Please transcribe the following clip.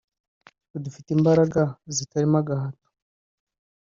twe dufite imbaraga zitarimo agahato"